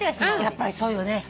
やっぱりそうよね。